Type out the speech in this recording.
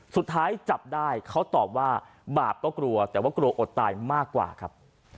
สุดท้ายจับได้เขาตอบว่าบาปก็กลัวแต่ว่ากลัวอดตายมากกว่าครับ